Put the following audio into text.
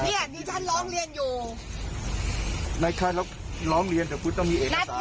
เนี่ยที่ท่านร้องเรียนอยู่ในค่ายแล้วร้องเรียนแต่คุณต้องมีเอกสาร